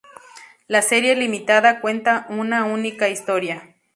La serie limitada cuenta una única historia.